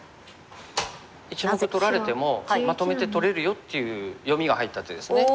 １目取られてもまとめて取れるよっていう読みが入った手ですね。